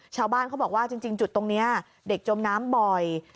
ชาวบ้านเขาบอกว่าจริงจุดตรงนี้เด็กจมน้ำบ่อย